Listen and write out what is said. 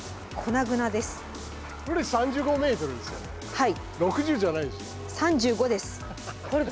はい。